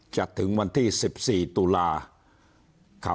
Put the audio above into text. จะถึงวันที่สิบสี่ตุลาค์